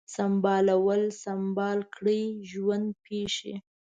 سمبالول ، سمبال کړی ، ژوند پیښې